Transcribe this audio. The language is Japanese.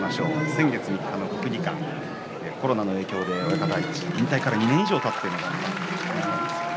先月、国技館、コロナの影響で引退から２年以上たっていましたね。